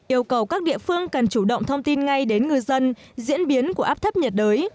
yêu cầu các địa phương cần chủ động thông tin ngay đến ngư dân diễn biến của áp thấp nhiệt đới